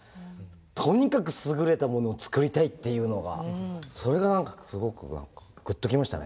とにかく優れたものをつくりたいっていうのがそれが何かすごく何かグッときましたね